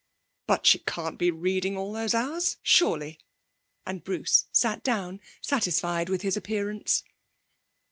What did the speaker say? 'But she can't be reading all those hours, surely?' and Bruce sat down, satisfied with his appearance.